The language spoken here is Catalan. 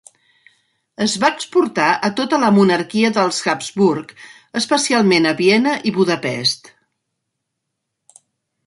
Es va exportar a tota la monarquia dels Habsburg, especialment a Viena i Budapest.